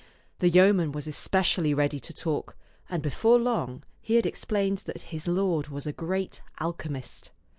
The yeoman was especially ready to talk, and before long he had explained that his lord was a great alchemist.